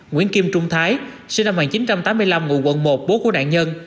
nguyễn kim trung thái sinh năm một nghìn chín trăm tám mươi năm ngụ quận một bố của nạn nhân